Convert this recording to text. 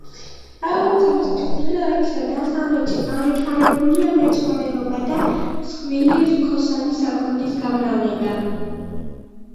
პროვინციის ჩრდილოეთში და დასავლეთში განვითარებულია მეცხვარეობა და მსხვილი რქოსანი საქონლის გამრავლება.